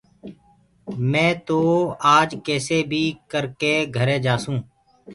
مينٚ تو آج ڪيسي بيٚ ڪرڪي گھري جآسونٚ